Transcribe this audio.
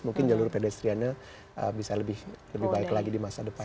mungkin jalur pedestriannya bisa lebih baik lagi di masa depan